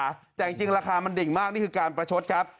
แต่จริงราคามันดิ่งมากนี่คือการประชดครับ